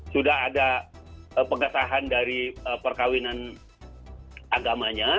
sudah ada pengesahan dari perkawinan agamanya